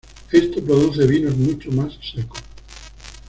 Esto produce vinos mucho más secos.